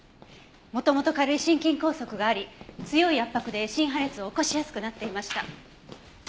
元々軽い心筋梗塞があり強い圧迫で心破裂を起こしやすくなっていました。